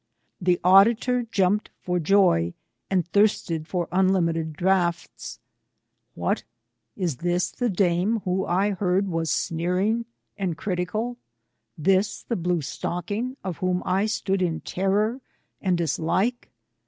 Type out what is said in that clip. The auditor jumped for joy, and thirsted for unlimited draughts. What ! is this the dame, who, I heard, was sneering and critical ? this the blue stocking, of whom I stood in terror and dislike